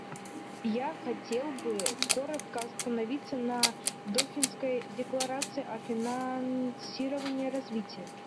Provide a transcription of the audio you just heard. Я хотел бы коротко остановиться на Дохинской декларации о финансировании развития.